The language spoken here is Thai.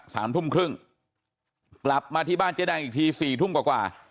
สามทุ่มครึ่งกลับมาที่บ้านเจ๊แดงอีกทีสี่ทุ่มกว่ากว่า